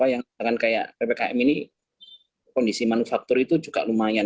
yang dengan kayak ppkm ini kondisi manufaktur itu juga lumayan